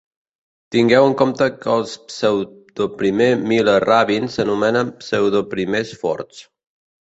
Tingueu en compte que els pseudoprimer Miller-Rabin s'anomenen pseudoprimers forts.